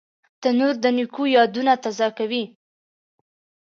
تنور د نیکو یادونه تازه کوي